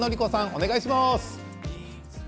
お願いします。